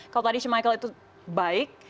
kalau tadi si michael itu baik